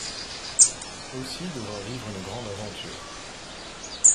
Aussie devra vivre une grande aventure.